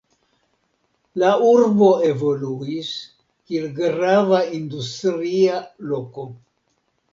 La urbo evoluis, kiel grava industria loko.